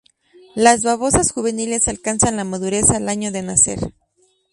Las babosas juveniles alcanzan la madurez al año de nacer.